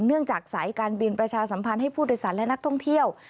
เนื่องจากสายการบินประชาสัมพันธ์ให้ผู้โดยสารและนักท่องเที่ยว